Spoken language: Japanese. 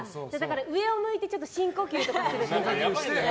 上を向いて、深呼吸とかするとね。